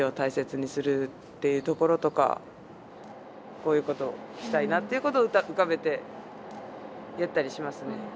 こういうことをしたいなっていうことを浮かべてやったりしますね。